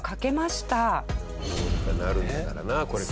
どうにかなるんだからなこれから。